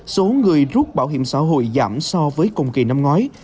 số người rút bảo hiểm xã hội giảm so với cùng kỳ năm ngoái